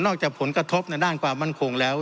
นอกจากผลกระทบในด้านความบรรคงแล้ว